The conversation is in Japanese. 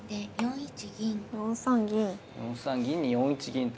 ４三銀に４一銀と。